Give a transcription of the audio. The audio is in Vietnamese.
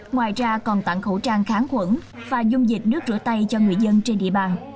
ngoài ra còn tặng khẩu trang kháng khuẩn và dung dịch nước rửa tay cho người dân trên địa bàn